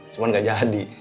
cuman gak jadi